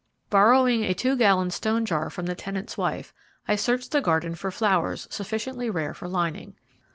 Borrowing a two gallon stone jar from the tenant's wife, I searched the garden for flowers sufficiently rare for lining.